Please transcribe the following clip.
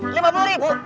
lima puluh ribu